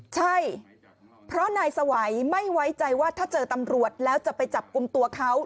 ใช่เพราะนายสวัยไม่ไว้ใจว่าถ้าเจอตำรวจแล้วจะไปจับกลุ่มตัวเขา